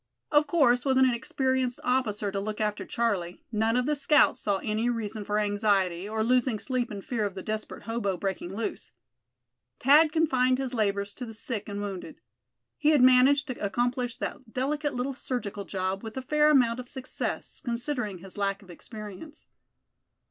Of course, with an experienced officer to look after Charlie, none of the scouts saw any reason for anxiety, or losing sleep in fear of the desperate hobo breaking loose. Thad confined his labors to the sick and wounded. He had managed to accomplish that delicate little surgical job with a fair amount of success, considering his lack of experience.